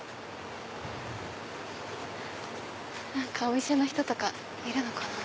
お店の人とかいるのかな？